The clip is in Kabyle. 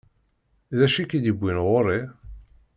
D acu i k-id-iwwin ɣur-i?